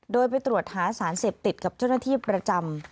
โดยไปตรวจหาสารเสพติดกับเจ้าหน้าที่ประจำ